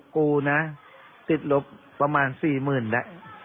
ครูนะติดลบประมาณ๔๐๐๐๐ด๊ะ